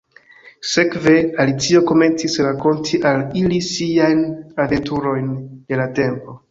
Sekve, Alicio komencis rakonti al ili siajn aventurojn de la tempo.